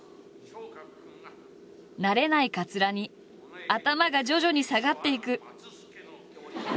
慣れないかつらに頭が徐々に下がっていく。